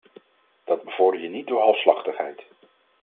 Dat bevorder je niet door halfslachtigheid.